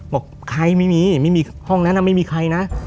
บอกใครไม่มีห้องนั้นน่ะไม่มีใครนะ